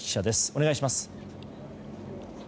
お願いします。